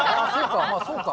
まあそうか。